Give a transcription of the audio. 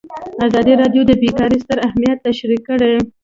ازادي راډیو د بیکاري ستر اهميت تشریح کړی.